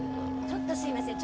ちょっとすいません。